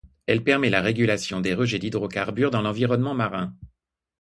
Elle permet la régulation des rejets d'hydrocarbures dans l'environnement marin.